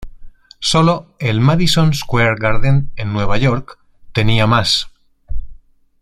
Sólo el Madison Square Garden en Nueva York tenía más.